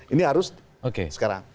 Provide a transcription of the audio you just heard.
ini harus sekarang